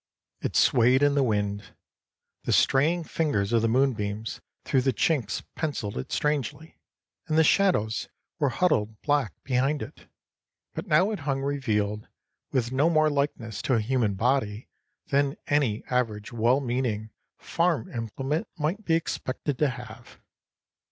It swayed in the wind. The straying fingers of the moonbeams through the chinks pencilled it strangely, and the shadows were huddled black behind it. But now it hung revealed, with no more likeness to a human body than any average well meaning farm implement might be expected to have.